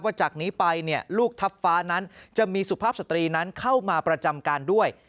จากนี้ไปลูกทัพฟ้านั้นจะมีสุภาพสตรีนั้นเข้ามาประจำการด้วย